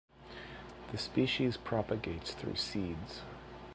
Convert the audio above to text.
The species propagates through seeds.